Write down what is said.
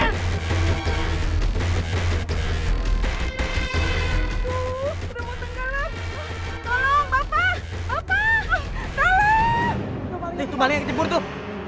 nih tuh baliknya kecebur tuh